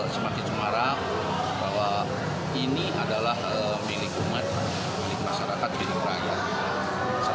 semakin cemara bahwa ini adalah milik umat milik masyarakat milik rakyat